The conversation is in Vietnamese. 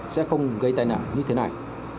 sẽ không gây tai nạn như thế này